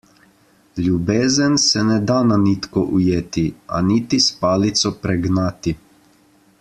Ljubezen se ne da na nitko ujeti, a niti s palico pregnati.